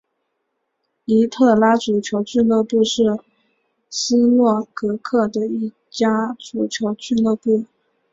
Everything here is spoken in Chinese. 尼特拉足球俱乐部是斯洛伐克的一家足球俱乐部。